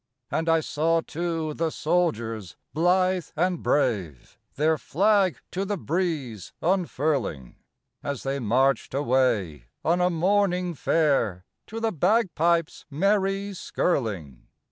And I saw, too, the soldiers blithe and brave Their flag to the breeze unfurling, As they marched away on a morning fair To the bagpipes' merry skirling.